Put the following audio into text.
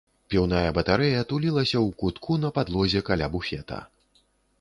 Піўная батарэя тулілася ў кутку на падлозе каля буфета.